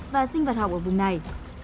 và sinh vật học ở vùng này